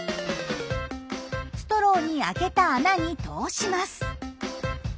ストローにあけた穴に通します。